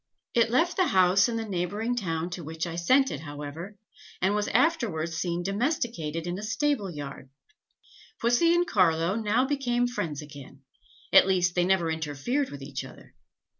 It left the house in the neighbouring town to which I sent it, however, and was afterwards seen domesticated in a stable yard. Pussy and Carlo now became friends again; at least, they never interfered with each other.